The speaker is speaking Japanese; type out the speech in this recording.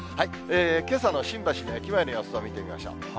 けさの新橋の駅前の様子を見てみましょう。